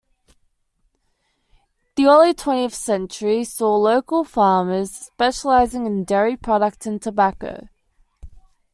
The early twentieth century saw local farmers specializing in dairy product and tobacco.